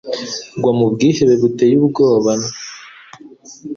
Gwa mu bwihebe buteye ubwoban